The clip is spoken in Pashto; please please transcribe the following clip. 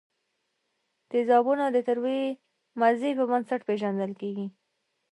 تیزابونه د تروې مزې په بنسټ پیژندل کیږي.